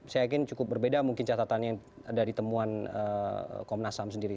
saya yakin cukup berbeda mungkin catatannya dari temuan komnas ham sendiri